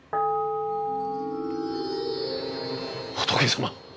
仏様！